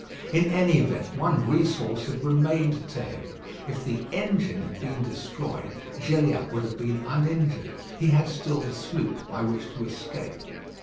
In any event, one resource had remained to him. If the engine had been destroyed, Gilliatt would have been uninjured. He had still the sloop by which to escape.